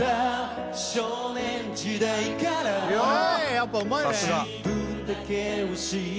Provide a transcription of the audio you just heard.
やっぱうまいね